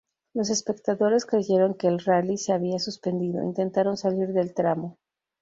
Los espectadores creyeron que el rally se había suspendido, intentaron salir del tramo.